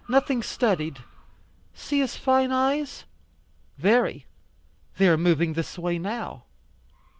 Nothing studied. See his fine eyes." "Very. They are moving this way now.